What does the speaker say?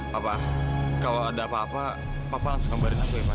papa kalau ada apa apa papa langsung kembali sampai ya pa